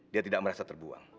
dia tidak merasa terbuang